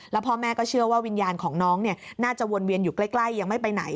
แล้วพ่อแม่ก็เชื่อว่าวิญญาณของน้องน่าจะวนเวียนอยู่ใกล้ยังไม่ไปไหน